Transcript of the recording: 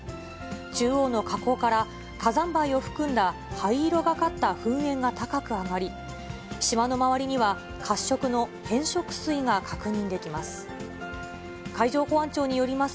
中央の火口から火山灰を含んだ灰色がかった噴煙が高く上がり、島の周りには、褐色の変色水が確認できます。